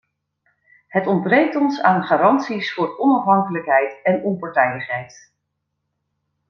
Het ontbreekt ons aan garanties voor onafhankelijkheid en onpartijdigheid.